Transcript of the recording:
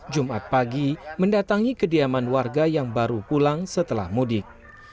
jumat pagi mendatangi kediaman warga yang baru pulang setelah mudik